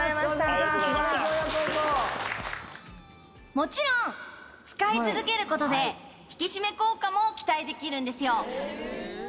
もちろん使い続けることで引き締め効果も期待できるんですよ。